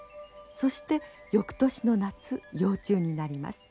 そして翌年の夏幼虫になります。